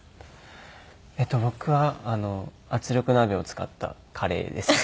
僕は圧力鍋を使ったカレーですね。